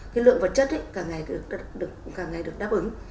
cái lượng vật chất càng ngày được đáp ứng